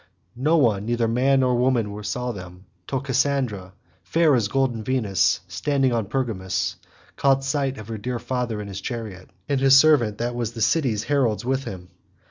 No one neither man nor woman saw them, till Cassandra, fair as golden Venus standing on Pergamus, caught sight of her dear father in his chariot, and his servant that was the city's herald with him.